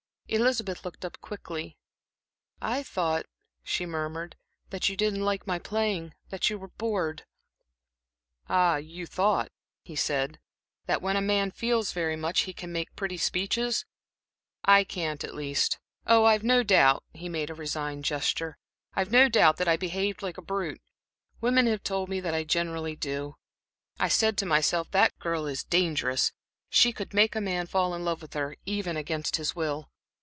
Elizabeth looked up quickly. "I thought," she murmured, "that you didn't like my playing, that you were bored" "Ah, you thought," he said, "that when a man feels very much, he can make pretty speeches? I can't, at least. Oh, I've no doubt" he made a resigned gesture "I've no doubt that I behaved like a brute. Women have told me that I generally do. I said to myself that girl is dangerous, she could make a man fall in love with her even against his will.